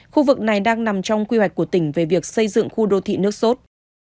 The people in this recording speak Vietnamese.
khu vực này đang nằm trong quy hoạch của tỉnh về việc xây dựng khu đô thị nước sốt